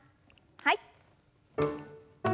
はい。